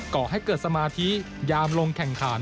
ก่อให้เกิดสมาธิยามลงแข่งขัน